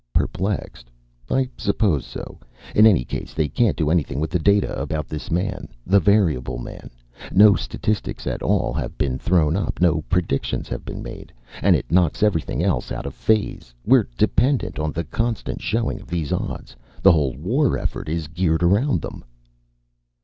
"Perplexed? I suppose so. In any case, they can't do anything with the data about this man. The variable man. No statistics at all have been thrown up no predictions have been made. And it knocks everything else out of phase. We're dependent on the constant showing of these odds. The whole war effort is geared around them."